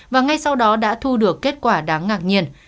và ngay sau đó đã thu được kết quả đáng ngạc nhiên